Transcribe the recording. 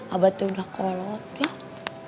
abah sudah kelihatan kecewa ya